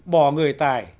bỏ người tài